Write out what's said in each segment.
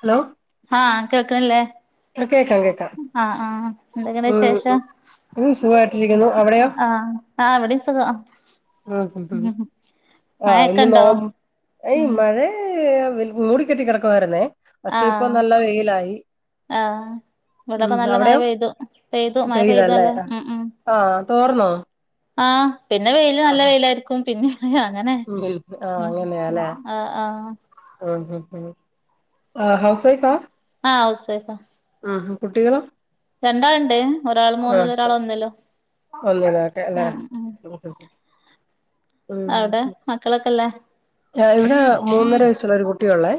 Hello ആഹ് കേൾക്കണില്ലേ കേക്കാം കേക്കാം ആഹ് ആഹ് എന്തൊക്കെയുണ്ട് ഉം വിശേഷം ഉം സുഖായിട്ടിരിക്കുന്നു അവിടെയോ ആഹ് ആഹ് ഇവിടെയും സുഖമാ ആ ആഹ് മഴൊക്കെ ഇന്ന് നോ ഉണ്ടോ എയ്‌ ഉം മഴേ മൂടി കെട്ടി കിടക്കുവായിരുന്നേ പക്ഷെ ഇപ്പോ ആഹ് നല്ല വെയിലായി ആഹ് ഉം ഇവിടിപ്പോ നല്ല മഴ അവിടെയോ പെയ്തു പെയ്തു മഴ പെയ്തു പെയ്തല്ലേ അല്ലേ ഉം ഉം ആഹ് തോർന്നോ ആഹ് പിന്നെ വെയില് നല്ല ആഹ് വെയിലായിരിക്കും പിന്നെ മഴ അങ്ങനെ ഉം ആഹ് ഉം അങ്ങനെയാല്ലേ ആ ആ ആ ഹൗസ് വൈഫാ ആ ഹൗസ് വൈഫാ ആഹാ കുട്ടികളോ രണ്ടാളുണ്ട് ഒരാൾ മൂന്നില് ഒരാൾ ഒന്നിലും ഒന്നിലാക്കെ ല്ലേ ഉം ഉം [unintelligible] അവിടെ മക്കളൊക്കെ ഇല്ലേ ഇവിടെ മൂന്നര വയസ്സുള്ള ഒരു കുട്ടിയുള്ളേ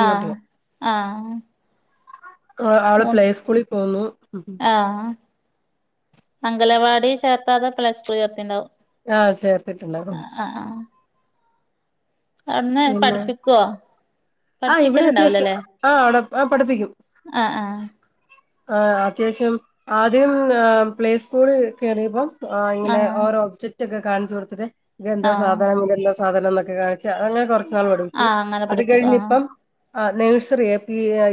ആഹ് ആഹ് ആഹ് അവള് മൂ പ്ലേസ്കൂളിൽ പോന്നു ആഹ് അംഗലവാടി ചേർത്താതെ പ്ലേ സ്കൂളി ചേർത്തിണ്ടാവും ആഹ് ചേർത്തിട്ട് ആഹ് ആഹ് [unintelligible] ആഹ് അവിടുന്ന് പഠിപ്പിക്കുവോ ആഹ് ഇവിടെ അത്യാവശ്യം ആഹ് അവിടെ പഠിപ്പിക്കും ആഹ് ആഹ് ആഹ് അത്യാവശ്യം ആദ്യം പ്ലേ സ്കൂളി കേറിയപ്പം ആഹ് ഇങ്ങനെ ഓരോ ഒബ്ജെക്റ്റ് ഒക്കെ കാണിച്ചു കൊടുത്തിട്ട് എന്താ ആഹ് സാധനം ഇതെന്താ സാ സാധനം എന്നൊക്കെ കാണിച്ച് അങ്ങനെ കൊറച്ച് നാള് പഠിപ്പിച്ചു ആഹ് അങ്ങനെ അത് പഠിപ്പിക്കും കഴിഞ്ഞ് ആഹ് ഇപ്പം ആഹ് നഴ്സറിയേ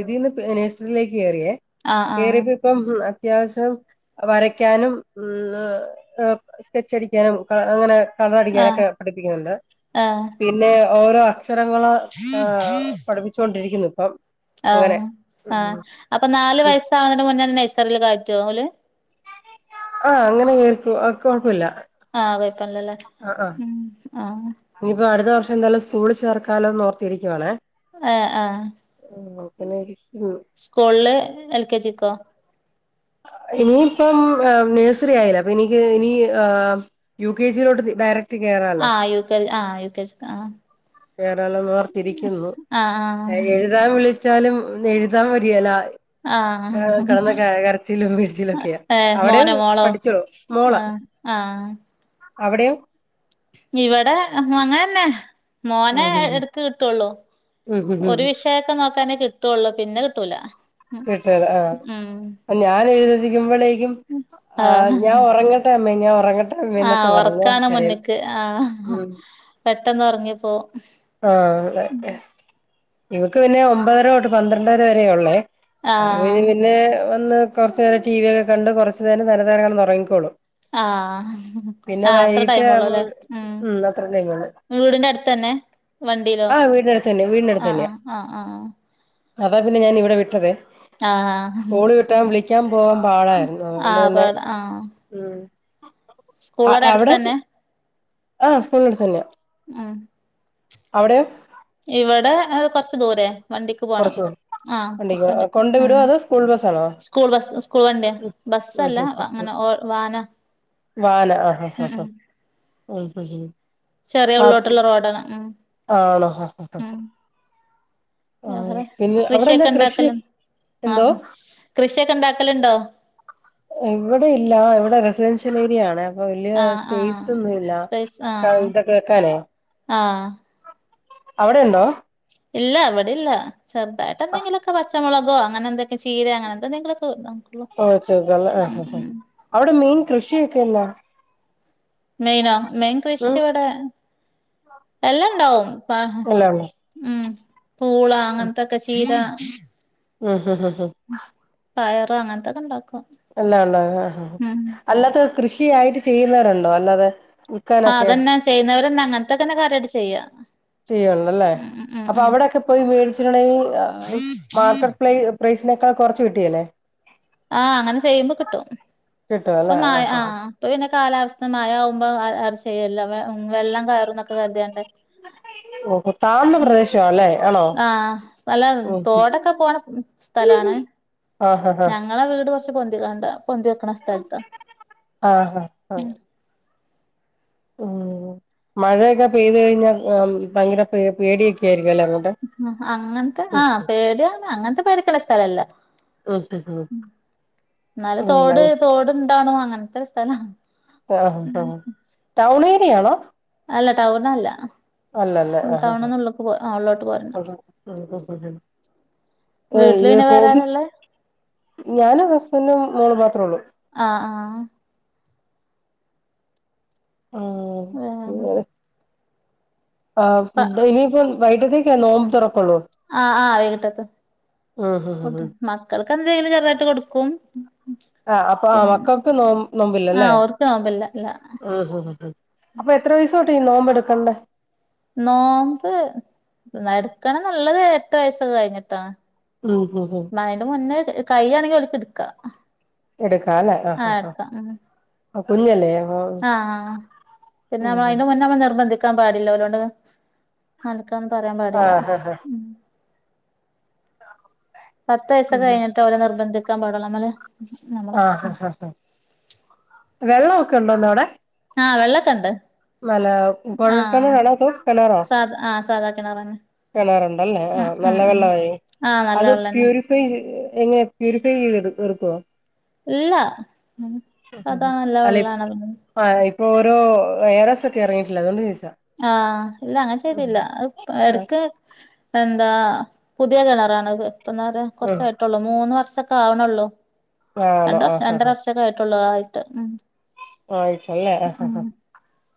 ഇതിന്ന് നഴ്സറിയിലേക്ക് കേറിയേ ആഹ് കേറിയപ്പോ ഇപ്പം അത്യാവശ്യം വരയ്ക്കാനും ഉം സ്കെച്ച് അടിക്കാനും അങ്ങനെ കളർ അടിക്കാനൊക്കെ ആഹ് പഠിപ്പിക്കുന്നുണ്ട് ആഹ് ആഹ് പിന്നെ ഓരോ അക്ഷരങ്ങള് ആഹ് പഠിപ്പിച്ചു കൊണ്ടിരുക്കുന്നു ഇപ്പം അങ്ങനെ ആഹ് ആഹ് അപ്പൊ നാല് വയസ്സാവുന്നതിന് മുന്നേ നഴ്സ് നഴ്‌സറീല് കയറ്റുവോ ഓല് ആഹ് അങ്ങനെ കേറ്റും കുഴപ്പില്ല ആഹ് കുഴപ്പമില്ലല്ലോ ഉം ആഹ് ഇനിയിപ്പോ അടുത്ത വർഷം എന്തായാലും സ്കൂളിൽ ചേർക്കാലോന്നോർത്തിരിക്കുവാണേ ഏ ആഹ് [unintelligible] സ്കൂൾല് എൽ കെ ജി ക്കോ ഇനിയിപ്പം ഏ നേഴ്സറി ആയില്ലേ അപ്പൊ നിക്ക് ഇനി ഏ യു കെ ജി യിലോട്ട് ഡയറ ആ യു കെ ആ യു കെ ജി ക് ആ [unintelligible] ഓർത്തിരിക്കുന്നു എഴുതാൻ വിളിച്ചാലും എഴുതാൻ വരേല ആഹ് ആ ആഹ് കടന്നക ക രച്ചിലും പിഴിച്ചിലും ഒക്കെയാ ഏ അവിടെ മോനോ മോളോ പഠിച്ചോളു മോള ആഹ് ആഹ് അവിടെയോ ഇവിടെ അങ്ങനന്നെ മോനെ ഉം എട്ക്ക് കിട്ടാെള്ളൂ ഉം ഉം ഒരു വിഷയാെക്കെ നോക്കാനേ കിട്ടുള്ളൂ പിന്നെ കിട്ടൂല ഉം [unintelligible] ആ ഞാൻ ഒറങ്ങട്ടെ അമ്മേ ഞാൻ ഒറങ്ങ ആ ഒറക്കാണ് മുന്ന്ക്ക് ആ പെട്ടെന്ന് ഒറങ്ങിപ്പോവും ആ ഇവക്ക് പിന്നെ ഒമ്പതര തൊട്ട് പന്ത്രണ്ടര വരെയാെള്ളേ അത് ആഹ് കഴിഞ്ഞ് പിന്നെ വന്ന് കുറച്ചു നേരം ടിവി ഒക്കെ കണ്ട് കുറച്ചു നേരം [unintelligible] കെടന്ന് ഒറങ്ങിക്കോളും ആ ആ അത്ര വൈകിട്ട് ടൈമാെള്ളൂല്ലേ ആവുമ്പോൾ ഉം അത്ര ടൈം ഉള്ളൂ വീട്ന്റെ അട്ത്തന്നെ വണ്ടിയിലോ ആഹ് വീടിനടുത്ത് തന്നെ വീടിനടുത്ത് ആ ആ തന്നെയാ ആ ആ അതാ പിന്നെ ഞാൻ ഇവിടെ വിട്ടതേ ആഹ് ആഹ് സ്കൂള് വിട്ടാൻ വിളിക്കാൻ പോവാൻ പാടായിരുന്നു അതുകൊണ്ട് ആഹ് പിന്നെ പാട ആഹ് ഉം സ്കൂളടെ അട്ത്തന്നെ ആ സ്കൂളടുത്ത് തന്നെയാ ആഹ് അവിടെയോ? ഇവിടെ എ കൊറച്ച് ദൂരേയ വണ്ടിക്ക് പോണം. ആഹ് വണ്ടിക്ക് കൊറച്ചാണ്ട് കൊണ്ട് വിടുവോ ഉം അതോ സ്കൂൾ ബസ്സാണോ സ്കൂൾ ബസ് സ്കൂൾ വണ്ട്യാ ഉം ബസ് അല്ല വാഹനം. ഓ വാന. വാന് ആഹ് ആഹ് ഹ ഹഉം. ചെറിയ ആഹ് ഉള്ളോട്ടുള്ള റോഡാണ് ഉം ആണോ ഹ ഹ ഹ ഉം ഹ. ആ പിന്നെ അവിടെന്താ കൃഷി എന്തോ ആഹ കൃഷിയൊക്കെ ഇണ്ടാക്കലുണ്ടോ? ഇവിടെ ഇല്ല ഇവിടെ റെസിഡൻഷ്യലേരിയ ആണേ വല്യ ആഹ് സ്പേസ് ആഹ് ഒന്നുല്ല സ്പൈസ് ആഹ് ഇതൊക്കെ വെക്കാനേ. ആഹ് അവിടെ ഉണ്ടോ? ഇല്ല അവിടെ ഇല്ല ചെറ്തായിട്ടെന്തെങ്കിലൊക്കെ പച്ചമുള കോ അങ്ങനെ എന്തക്കെ ചീര അങ്ങനെ എന്തോന്നെങ്കിലും വേ ആഹ് ച ആഹ് ഹ ഹ അവിടെ മെയിൻ കൃഷിയൊക്കെന്നാ? മെയ്നാ മെയ്ൻ കൃഷി ഇവിടെ എല്ലാം ഇണ്ടാവും. പാ എല്ലാം ഉണ്ടോ ഉം പൂള അങ്ങനത്തൊക്കെ ചീര ഉം ഹു ഹു ഹും. പയറ് അങ്ങൻത്തൊക്കെ ഉണ്ടാവും. അല്ലാ [unintelligible] ആ അല്ലാത്ത കൃഷിയായിട്ട് ചെയ്യുന്നവരുണ്ടോ അല്ലാതെ? ആ വിൽക്കാനൊക്കെ അതന്നെ ചെയ്യുന്നവര്ന്നെ അങ്ങനത്തക്കെന്നെ കാര്യമായിട്ട് ചെയ്യാ. ചെയ്യാേള്ളല്ലേ ഉം ഉം ഉം അപ്പൊ ഉം അവിടെക്കെ പോയി മേടിച്ചിട്ടുണ്ടെ മാർക്കറ്റ് പ്ര പ്രൈസിനേക്കാൾ കുറച്ച് കിട്ടിയല്ലേ? ആഹ് അങ്ങനെ ചെയ്യുമ്പോ കിട്ടും. കിട്ടും ഇപ്പൊ അല്ലേ മഴ ആ ആ ആഹ് ഇപ്പൊ പിന്നെ കാലാവസ്ഥ മഴ ആവുമ്പോ ചെയ്യല്ല വെ വെള്ളം കയറും എന്നൊക്കെ കരുതിയാണ്ട് ഓഹോ താഴ്ന്ന പ്രദേശവാല്ലേ ആഹ് നല്ല തോടൊക്കെ പോണ സ്ഥലാണ് ആഹ് ഹ ഹ ഞങ്ങളെ വീട് കുറച്ച് പൊന്തി കണ്ട പൊന്തിവെക്കണ സ്ഥലത്താ ആഹ് ഹ ഉം ഉം മഴയൊക്കെ പെയ്തുകഴിഞ്ഞാ ഭയങ്കര പ പേടിയൊക്കെ ആയിരിക്കും അല്ലേ അങ്ങോട്ട് അങ്ങനത്തെ ആ പേടിയാണ് അങ്ങനത്തെ പേടിക്കുള്ള സ്ഥലല്ല ഉം ഉം ഉം നല്ല ഉം തോട് ഉം തോടുണ്ടണോ അങ്ങനത്തെ സ്ഥലം ആഹ് ആഹ് ടൗൺ ഏരിയയാണോ അല്ല ടൗൺ അല്ല അല്ല അല്ല ആഹഹ ഉള്ളോട്ട് പോരണം ഉം ഉം വീട്ടില് പിന്നെ ഹോബീസ് വേറാരാള്ളെ ഞാനും ഹസ്ബൻഡും മോള് മാത്രേ ഉള്ളു ആഹ് ആഹ ആഹ്‌ വേറെ [unintelligible] ആഹ്‌ പ ഫുഡ് ഇനിയിപ്പം വൈകിത്തേക്കാ നോമ്പ തുറക്ക ആഹ്‌ ആഹ വൈകിട്ടത്ത് ഉം ഹ് ഹ് ഹ് മക്കൾക്ക് എന്തെലും ചെറുതായിട്ട് കൊടുക്കും ആഹ്‌ അപ്പൊ ആ പിന്നെ മക്കൾക്ക് നോ നോമ്പില്ലല്ലേ ആഹ് ഓർക്ക് നോമ്പില്ല ഇല്ല അപ്പൊ എത്ര വയസ്സുതോട്ട് ഈ നോമ്പ് എടുക്കണ്ടേ നോമ്പ്ടുക്കണ നല്ലത് എട്ട് വയസ്സൊക്കെ കഴിഞ്ഞിട്ടാണ് ഉം ഹ് ഹ് അതിന്റെ മുന്നേ കൈയാണെങ്കിൽ അവക്ക് എടുക്ക എടുക്കാല്ലേ ആഹ് ആഹ് കുഞ്ഞല്ലേ അപ്പൊ ആഹ് പിന്നെ ഉം അതിന് മുന്നേ നമ്മൾ നിർബന്ധിക്കാൻ പാടില്ല അവരോട് നൽക്കണന്ന് പറയാൻ പാടില്ല ആഹ് ഹ ഹ ഉം പത്ത് വയസക്കെ കഴിഞ്ഞിട്ട് അവരെ നിർബന്ധിക്കാൻ പാടുള്ളൂമ്മള് ആ വെള്ളമൊക്കെ ഉണ്ടോന്ന്ോ അവിടെ ആഹ് വെള്ളക്കണ്ട് മല്ല കൊ കനറണോത്ത കനറോ സാധ ആഹ് സാധാ കിണറന്നെ കാണാറുണ്ടല്ലേ ആ ഉം ഉം നല്ല ഉം വെള്ളമായി ആഹ് നല്ല അത് വെള്ളന്നെ പ്യൂരിഫൈ എങ്ങനെ പ്യൂരിഫൈ ചെയ്ത് എടുക്കുവോ ഇല്ല സാധാ നല്ല അല്ല വെള്ളാണ് ആ് ഇപ്പൊ ഓരോ ഏറെ സത്തി ഇറങ്ങിയിട്ടില്ല അതുകൊണ്ട് ആഹ ഇല്ല അങ്ങനെ ചെയ്തില്ല ആഹ് എടക്ക് എന്താ പുതിയ കിണറാണ് ഇപ്പ നേേര ഉം കുറച്ചായിട്ടുള്ളൂ മൂന്ന് വർഷൊക്കെ ആവണള്ളോ ആണോ രണ്ട വർഷം രണ്ടര വർഷൊക്കെ ആയിട്ടുള്ളൂ ആയിട്ട് ഉ ആയിച്ചല്ലേ ആ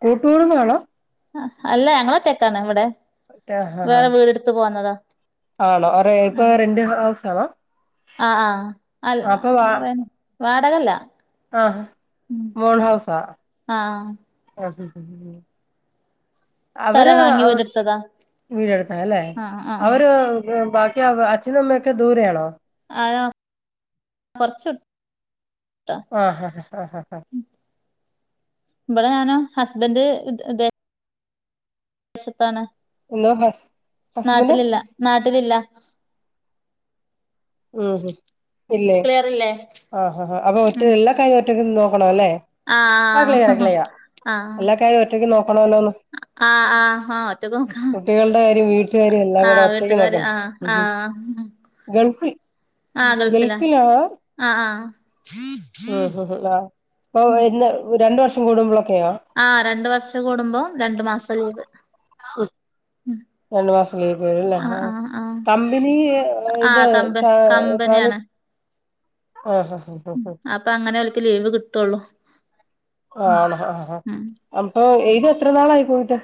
കൂട്ടുകടും വേണോ അല്ല ഞങ്ങള തേക്കാണ് ഇവിടെ ആഹ് ആഹ് വേറെ വീടെടുത്ത് പോന്നതാ ആണോ ഇപ്പൊ റെന്റ് ഹൗസ് ആണോ ആഹ ആഹ അല്ല പറയ വാടകല്ല ആഹ ആഹ് മോന് ഹൗസ ആ ആഹ് അവര് സ്ഥലം വാങ്ങി വീടെടുത്തതാ വീടെടുത്തല്ലേ ആഹ് ആഹ് അവര്ാക്ക അ അച്ഛന്മ്മയൊക്കെ ദൂര ആണോ ആ കൊറച്ച ആ ഹാ ഹാ ഹാ ഹാ ഹാ ഇവിടെ ഞാന ഹസ്ബന്ഡ് വിശത്താണ് എന്തോ ഹസ് ഹസ്ബന്റ് നാട്ടിലില്ല നാട്ടിലില്ല ഉ ഹ ഇല്ലേ ക്ലിയറില്ലേ ആ ഹാ അപ്പൊ ഒറ്റ ഉം എല്ലാ കാര്യും ഒറ്റയ്ക്ക് നോക്കണ അല്ലേ ആ ആഹ് ക്ലിയറ ആഹ് ക്ലളിയ ആഹ് എല്ലാ കാര്യം ഒറ്റയ്ക്ക് നോക്കണല്ലോന്ന് ആഹ് ആഹ് ആഹ് ഒറ്റക്ക് നോക്കാ കുട്ടികളുടെ കാര്യം വീട്ട കാര്യം എല്ലാം കൂടെ ആഹ് ഒറ്റക്ക് വീട്ടുകാര് നോക്കണ്ടേ ആഹ് ആഹ് ഗൾഫിൽ ഗൾഫിലാ ആഹ ഉം ഹ ആ അപ്പൊ ഇ രണ്ട വർഷം കൂടുമ്പോള ആ രണ്ട വർഷം കൂടുമ്പോം രണ്ടു മാസം ലീവ് മം ഉം ആ ആ ആ കമ്പനി ആ ഇത് കമ്പ ചാ കമ്പനി ട്രാവൽ ആണ് ആഹ് ഹ് ഹ് ഉം ഹ് അപ്പ അങ്ങനെ ഒലക്ക് ലീവ് കിട്ടുള്ളൂ ഓ ഉം ആണ ആ ആ ഉം അപ്പൊ ഏയ് തു എത്ര നാളായി പോയിട്ട്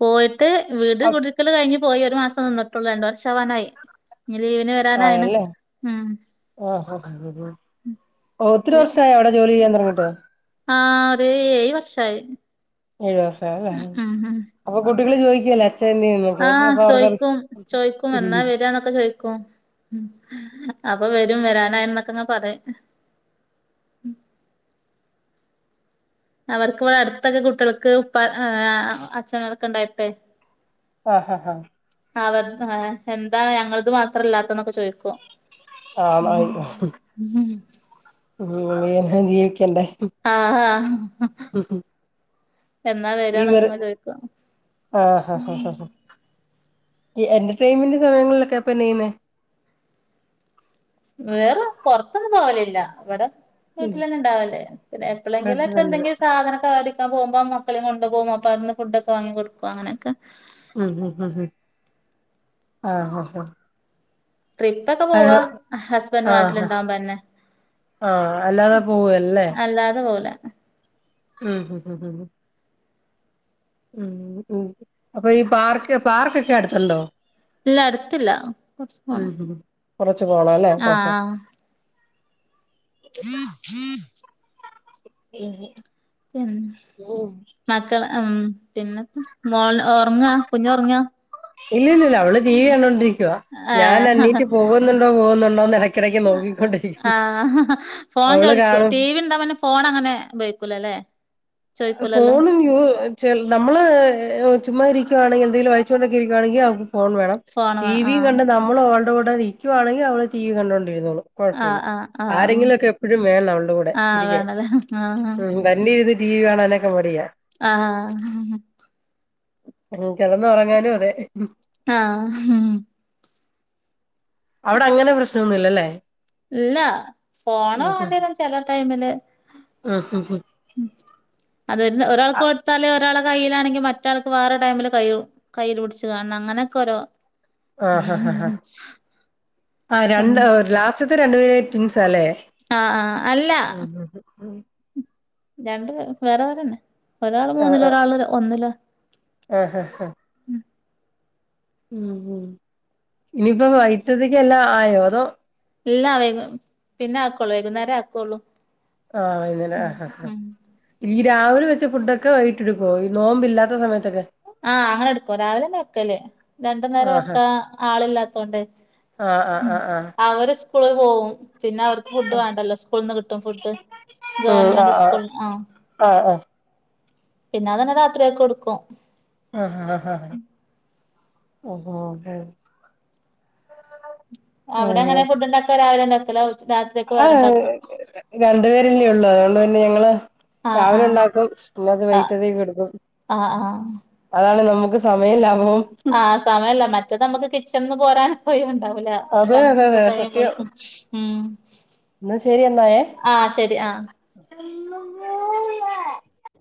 പോയിട്ട് വീട് കുടിരിക്കൽ കയിഞ്ഞ് പോയി ഒരു മാസം നിന്നിട്ടുള്ളൂ രണ്ട്‌ വർഷം ആവാനായി ഇനി ലീവിന് വരാനായിണ് ആയല്ലേ ഉം ഉം ഓ ഒത്തിരി വർഷയാ അവിടെ ജോലി ചെയ്യാൻ തുടങ്ങിട്ട് ആ ഒരു ഏയ് വർഷായി ഏഴു വർഷായി അല്ലേ ഉം ഉം അപ്പൊ കുട്ടികള് ചോദിക്കേലെ ആ ചോയ്ക്കും ചോയ്ക്കും എന്നാ ഉം വരുവാന്നൊക്കെ ചോയ്ക്കും അപ്പൊ വരും വരാനായി എന്നൊക്കെങ്ങെ പറയും അവർക്കിവിടെ അടുത്തൊക്കെ കുട്ടികൾക്ക് ഉപ്പ അച്ഛനർക്കെ ഉണ്ടായിട്ടെ ആ ആ ആ അവർ എന്താ ഞങ്ങളക്ക് മാത്രല്ലാത്തന്നൊക്കെ ചോയ് ക്കും ആ [unintelligible] ഉം ജീവിക്കണ്ടേ ആ ആ വരെ ആ ഹാ ഹാ ഹാ ഈ എന്റർടൈൻമെന്റ് സമയങ്ങളിലൊക്കെ അപ്പൊന്ന ചെയ്യുന്നേ വേറ പൊറത്തൊന്നും പോവലില്ല ഇവിടെ വീട്ടിൽ തന്നെണ്ടാവല്ലേ പിന്നെ അത് എപ്പളെങ്കിലുംക്ക നല്ലത് എന്തെങ്കിലും സാധനക്ക മേടി പോറത്തക്ക് പോകുമ്പോൾ മക്കളും കൊണ്ട് പോകമ്പം മക്കളേം കൊണ്ടുപോകും അപ്പ അവിടുന്ന് ഫുഡ്ക്ക വാങ്ങികൊടുക്കും അങ്ങനെക്ക ഉം ഉം ഉം ആങ്‌ഹ ആങ്‌ഹ ഹ ട്രിപ്പ ഒക്കെ പോവാ ഹസ്ബൻഡ് നാട്ടിലിണ്ടാവുമ്പ അന്നെ ആ അല്ലാതെ പോവേലല്ലേ അല്ലാതെ പോവൂല മം മം മം മം ഉം ഉം അപ്പ ഈ പാർക്ക് പാർക്കൊക്കെ അടുത്തൊ ണ്ടോ ഇല്ല അടുത്തില്ല കൊറച്ച് ഉം പോണം ഉം കൊറച്ച് പോണം അല്ലേ അപ്പം ആഹ് [inaudible] [inaudible] [unintelligible] മക്കൾ ഉം പിന്ന മോള് ഒറങ്ങാ കുഞ്ഞു ഒറങ്ങാ ഇല്ല ഇല്ലില്ല അവള് ടീവീ കണ്ടൊണ്ടിരിക്കുക ഞാൻ ഏഹ് എണീറ്റ് പോകുന്നുണ്ടോ പോകുന്നുണ്ടോന്ന് ഇടയ്ക്കിടയ്ക്ക് നോക്കിക്കൊണ്ട് ആ ആങ്‌ഹ ഹ ഫോൺ ചോദിക്കൊ കാണും ടി വി ഉണ്ടാന്നെ ഫോൺ അങ്ങനെ ഉപയോഗിക്കൂല അല്ലേ ഫോൺ [unintelligible] നമ്മള് ചു [unintelligible] ഇരിക്കുവാ ണെങ്കിൽ എന്തെലും കഴിച്ചോ ണ്ടക്കെയിരിക്കായണെങ്കിൽ അവക്ക് ഫോൺ വേണം ഫോണ് ടി വേണം വി ആഹ് കണ്ടണ്ട്‌ നമ്മൾ [unintelligible] [unintelligible] കൂടെ നിക്കുവാണെങ്കിൽ അവള് ടി വി കണ്ടണ്ട് [unintelligible] ഇരുന്നോളും കൊഴപ്പില്ല ആഹ് ആഹ് ആഹ് ആരെങ്കിലുംക്കെ എപ്പഴും വേണം അവൾടെ കൂടെ ആഹ് ഇരിക്കാൻ വേണല്ലേ ആഹ് ഉം തന്നെ ഇരുന്ന് ടിവി കാണനെക്കെമ്മടിയാ ആ ആ ഉം കെടന്ന് ഒറങ്ങാനും അതെ ആങ്‌ഹ് ആ അവിടെ അങ്ങനെ പ്രശ്നൊ ന്നുംല്ലല്ലേ ഇല്ല ഫോണ് വാണ്ടിരും ചെല ടൈമില് ആ ആ അത് ഒരാൾക്ക് കൊടുത്താല് ഒരാള് കയ്യിലാണെങ്കിൽ മറ്റാൾക്ക് വേറെ ടൈമില് കയ്യ് കയ്യിൽ പിടിച്ച് കാണണം അങ്ങനൊക്ക ഓരോ ആ ഹ ഹാ ഹാ ആ ആഹ് രണ്ട് ലാസ്റ്റത്തെ രണ്ടുപേര് ട്വിൻസ് ആ അല്ലെ ആങ്‌ ഹ് ആ അല്ല ഉം രണ്ട് വേറെ വേറെ ന്നെ ഒരാള് മൂന്നില് ഒരാള് ഒന്നില് ആഹ ഹഹ ഹഹ ഉം [unintelligible] ഉ ഉ ഇനിയിപ്പോ വൈത്തതിക്ക എല്ലാം ആയോ അതോ ഇല്ല വ പിന്നെ ആക്കള്ളൂ വൈകുന്നേരം ആക്കള്ളൂ ആഹ ഇന്നെ ആീ രാവിലെ വെച്ച് ഫുഡൊക്കെ വൈിട്ടെടുക്കുവ ഈ നോമ്പ്ില്ലാത്ത സമയത്തൊക്കെ ആഹ അങ്ങനെ എടുക്കും രാവിലെന്ന വെക്കല് രണ്ടു നേരം ആഹ് വെക്കാ ആള ഇല്ലാത്തൊണ്ട് ആഹ് ഉ ആഹ് ആഹ് ആഹ് അവര് സ്കൂള പോകവും പിന്നെ അവർക്ക് ഫുഡ് വേണ്ടല്ലോ സ്കൂളിൽ നിന്ന് കിട്ടും ഫുഡ് ഗവണ്മെന്റ് സ്കൂൾ ആ ആ ആ പിന്നെ അതന്നെ രാത്രിയാക്കി കൊടുക്കും ആഹ ആ ആഹ ഓഹ ഹ അവിടെ അങ്ങനെ ഫുഡ്ണ്ടാക്കെ രാവിലെണ്ടാക്കല ആ രണ്ടു പേരല്ലേ ഉള്ളൂ അതുകൊണ്ട് തന്നെ ഞങ്ങള് ആഹ് രാവിലെ ആഹ് ഉണ്ടാക്കും പിന്നത് ആഹ് വെറ്റത്തേക്ക് എടുക്കും ആഹ് ആഹ് അതാണ് നമ്മുക്ക് അോ ആഹ് സമയമല്ല മറ്റേ നമ്മുക്ക് കിച്ചണന്ന് പോരാൻ പോയി അതെ അതെ ഉണ്ടാവൂലന്തന്ത ത പോലും ഉം എന്നന്ന് ശരി എന്ന എന്നായേ ആഹ് ശരി ആഹ്